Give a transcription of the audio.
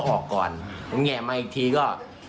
ออกก่อนผมแงะมาอีกทีก็